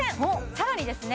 さらにですね